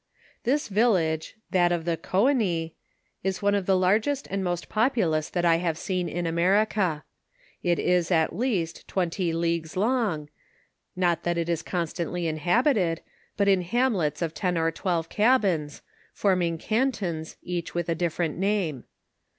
This village, that of the Goenis, is one of the largest and most populous that I have seen in America. It is, at least, twenty leagues long, not that it is constantly inhabited, but in hamlets of ten or twelve cabins, forming cantons each with a different name.